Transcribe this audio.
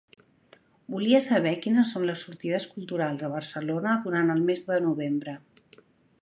Volia saber quines son les sortides culturals a Barcelona durant el mes de novembre.